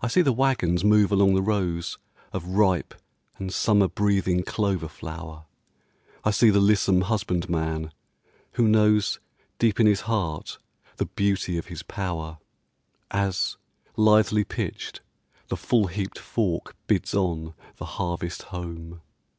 I see the wagons move along the rows Of ripe and summer breathing clover flower, I see the lissom husbandman who knows Deep in his heart the beauty of his power, As, lithely pitched, the full heaped fork bids on The harvest home.